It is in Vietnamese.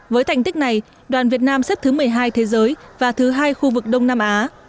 với thành tích này đoàn việt nam xếp thứ một mươi hai thế giới và thứ hai khu vực đông nam á